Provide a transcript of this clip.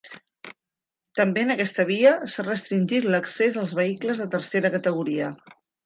També en aquesta via s’ha restringit l’accés als vehicles de tercera categoria.